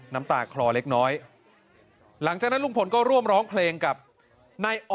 น้ำตาคลอเล็กน้อย